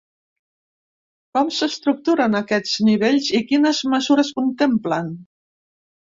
Com s’estructuren aquests nivells i quines mesures contemplen?